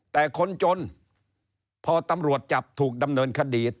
แต่คนจนพอตำรวจจับถูกดำเนินคดี